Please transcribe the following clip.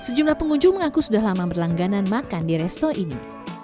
sejumlah pengunjung mengaku sudah lama berlangganan makan di resto ini